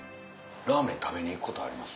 ラーメン食べに行くことあります？